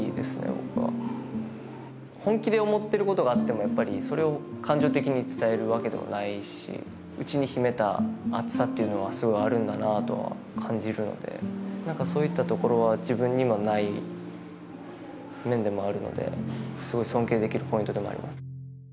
僕は本気で思ってることがあってもやっぱりそれを感情的に伝えるわけではないしうちに秘めた熱さっていうのはすごいあるんだなとは感じるので何かそういったところは自分にはない面でもあるのですごい尊敬できるポイントでもあります